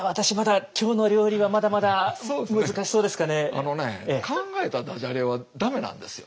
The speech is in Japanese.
あのね考えたダジャレは駄目なんですよ。